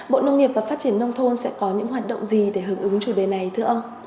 bộ nông nghiệp và phát triển nông thôn sẽ có những hoạt động gì để hưởng ứng chủ đề này thưa ông